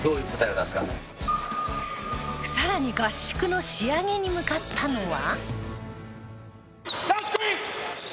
さらに合宿の仕上げに向かったのは。